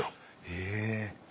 へえ。